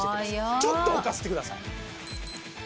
ちょっと置かせてください